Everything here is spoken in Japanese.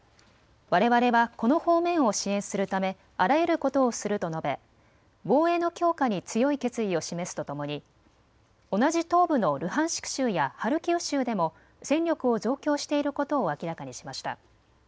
われわれはこの方面を支援するためあらゆることをすると述べ、防衛の強化に強い決意を示すとともに同じ東部のルハンシク州やハルキウ州でも戦力を増強していることを明らかにしました。